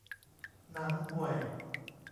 หนังห่วย